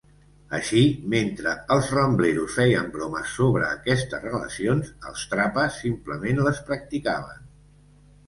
Així, mentre els Rambleros feien bromes sobre aquestes relacions, els Trapas simplement les practicaven.